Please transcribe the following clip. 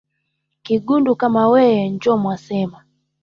Kagunduu kama weye njo mwasema.